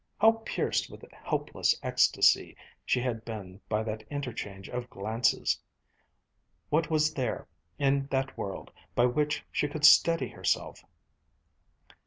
How pierced with helpless ecstasy she had been by that interchange of glances! What was there, in that world, by which she could steady herself?